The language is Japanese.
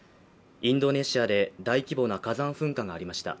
インドネシアで大規模な火山噴火がありました。